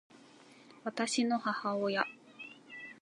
私の母親